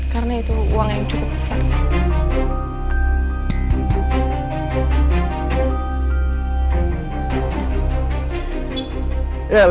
karena itu uang yang cukup besar